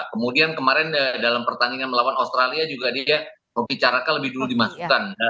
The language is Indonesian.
kemudian kemarin dalam pertandingan melawan australia juga dia membicarakan lebih dulu dimasukkan